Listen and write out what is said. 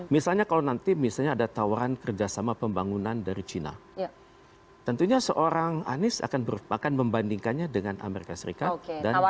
misalnya kalau nanti misalnya ada tawaran kerjasama pembangunan dari china tentunya seorang anies akan membandingkannya dengan amerika serikat dan china